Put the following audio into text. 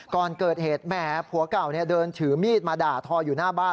ก่อนเกิดเหตุแหมผัวเก่าเดินถือมีดมาด่าทออยู่หน้าบ้าน